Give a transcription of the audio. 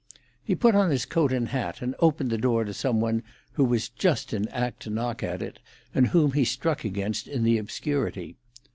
He put on his coat and hat, and opened the door to some one who was just in act to knock at it, and whom he struck against in the obscurity.